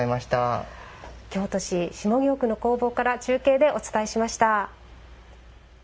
京都市下京区の工房から中継でお伝えしました。